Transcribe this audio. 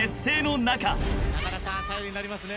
中田さん頼りになりますね。